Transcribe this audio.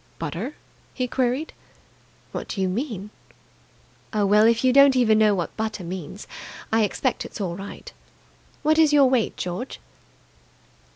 "Butter?" he queried. "What do you mean?" "Oh, well, if you don't even know what butter means, I expect it's all right. What is your weight, George?"